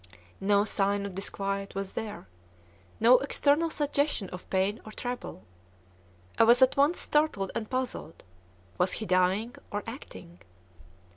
No sign of disquiet was there, no external suggestion of pain or trouble; I was at once startled and puzzled. Was he dying, or acting?